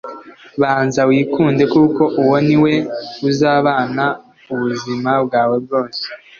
banza wikunde, kuko uwo ni we uzabana ubuzima bwawe bwose